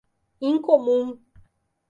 Incomum